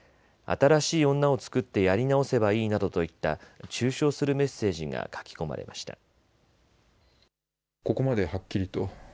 新しい女を作ってやり直せばいいなどといった中傷するメッセージが書き込まれました。